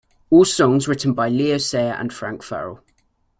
All songs written by Leo Sayer and Frank Farrell.